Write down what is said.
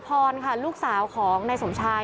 พี่บูรำนี้ลงมาแล้ว